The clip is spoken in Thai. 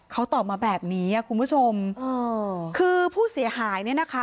เขาตอบมาแบบนี้อ่ะคุณผู้ชมคือผู้เสียหายเนี่ยนะคะ